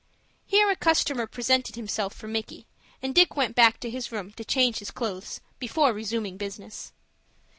Here a customer presented himself for Micky, and Dick went back to his room to change his clothes, before resuming business.